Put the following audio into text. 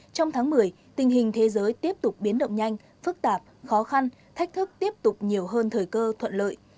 trong tháng một mươi tình hình thế giới tiếp tục biến động nhanh phức tạp khó khăn thách thức tiếp tục nhiều hơn thời cơ thuận lợi